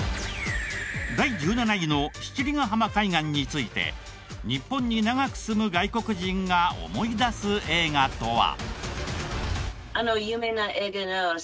第１７位の七里ヶ浜海岸について日本に長く住む外国人が思い出す映画とは？